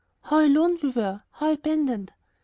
How alone we were; how abandoned!